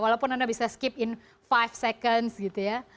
walaupun anda bisa skip in lima seconds gitu ya